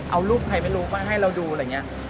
เอารูปใครไม่รู้มาให้เราดูอะไรอย่างนี้